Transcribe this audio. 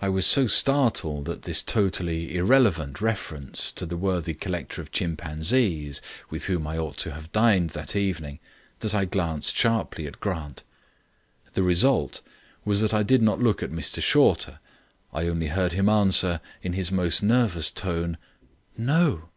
I was so startled at this totally irrelevant reference to the worthy collector of chimpanzees with whom I ought to have dined that evening, that I glanced sharply at Grant. The result was that I did not look at Mr Shorter. I only heard him answer, in his most nervous tone, "No."